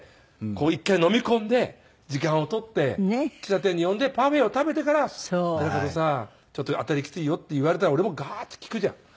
一回飲み込んで時間を取って喫茶店に呼んでパフェを食べてから「寺門さちょっと当たりきついよ」って言われたら俺もガーッて聞くじゃん。